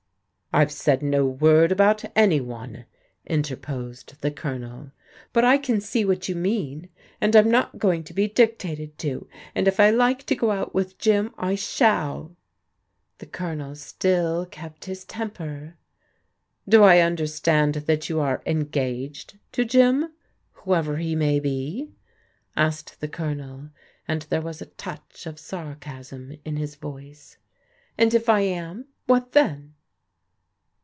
"I've said no word about any one," interposed the Colonel. "But I can see what you mean, and I'm not going to be dictated to, and if I like to go out vnth Jim I shall." The Colonel still kept his temper. "Do I understand that you are engaged to Jim? — whoever he may be," asked the Colonel, and there was a touch of sarcasm in his voice. " And if I am?— what then?